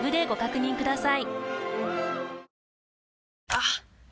あっ！